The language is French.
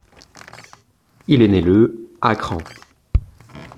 Il est né le à Kranz.